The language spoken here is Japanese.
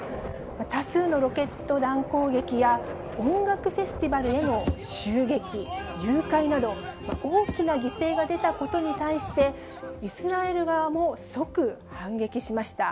多数のロケット弾攻撃や、音楽フェスティバルへの襲撃、誘拐など、大きな犠牲が出たことに対して、イスラエル側も即反撃しました。